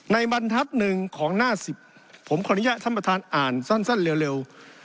บรรทัศน์หนึ่งของหน้า๑๐ผมขออนุญาตท่านประธานอ่านสั้นเร็ว